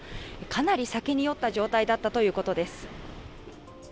かなり酒に酔った状態だったということです。